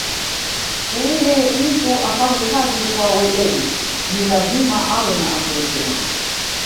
Ili mtu afanye kazi kwa weledi ni lazima awe na afya njema